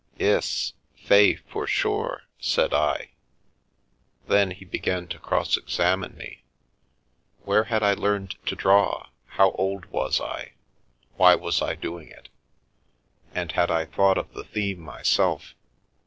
Iss, fay, for sure/' said I. Then he began to cross examine me. Where had I learned to draw, how old was I, why was I doing it, and had I thought of the theme myself?